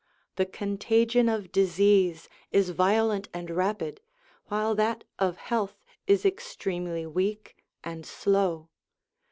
The contagion of disease is violent and rapid, while that of health is extremely weak and slow.